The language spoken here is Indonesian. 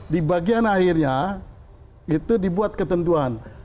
di bagian akhirnya itu dibuat ketentuan